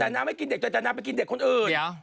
จากนั้นไม่กินเด็กจากนั้นไปกินเด็กคนอื่น